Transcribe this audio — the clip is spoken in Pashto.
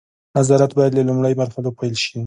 نظارت باید له لومړیو مرحلو پیل شي.